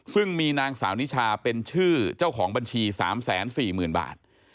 ซึ่งมีนางสาวนิชาเป็นชื่อเจ้าของบัญชี๓๔๐๐๐บาท